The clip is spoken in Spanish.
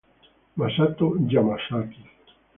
Masato Yamasaki